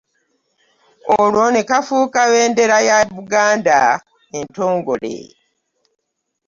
Olwo ne kafuuka ebendera ya Buganda entongole.